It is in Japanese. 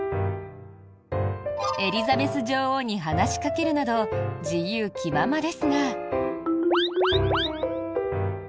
エリザベス女王に話しかけるなど自由気ままですが。